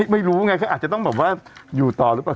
ไม่รู้ไงเขาอาจจะต้องแบบว่าอยู่ต่อหรือเปล่า